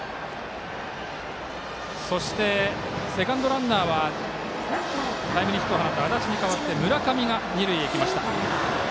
そして、セカンドランナーはタイムリーヒットを放った安達に代わって村上が二塁へ行きました。